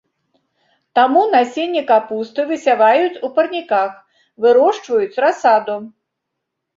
Таму насенне капусты высяваюць у парніках, вырошчваюць расаду.